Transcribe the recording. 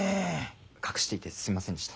隠していてすいませんでした。